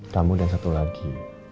kamu dan satu lagi